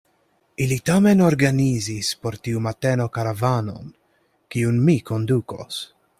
Ili tamen organizis por tiu mateno karavanon, kiun mi kondukos.